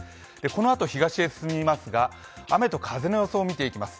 このあと東へ進みますが雨と風の予想を見ていきます。